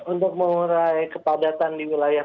untuk mengurai kepadatan di wilayah